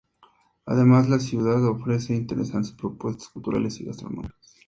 Además la ciudad ofrece interesantes propuestas culturales y gastronómicas.